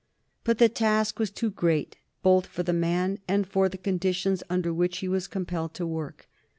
But the task was too great both for the man and for the conditions under which he was compelled to work.